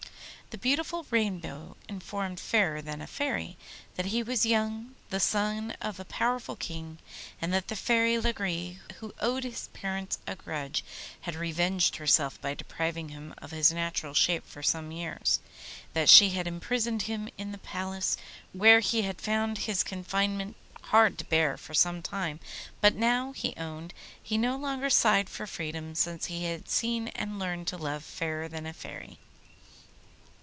The beautiful Rainbow informed Fairer than a Fairy that he was young, the son of a powerful king, and that the Fairy, Lagree, who owed his parents a grudge, had revenged herself by depriving him of his natural shape for some years; that she had imprisoned him in the palace, where he had found his confinement hard to bear for some time, but now, he owned, he no longer sighed for freedom since he had seen and learned to love Fairer than a Fairy.